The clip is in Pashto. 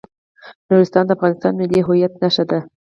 نورستان د افغانستان د ملي هویت نښه ده.